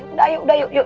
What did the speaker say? udah yuk yuk yuk